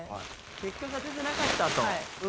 結果が出てなかったと。